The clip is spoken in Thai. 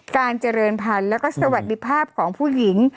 การเจริญพันธุ์แล้วก็สวัสดีภาพของผู้หญิง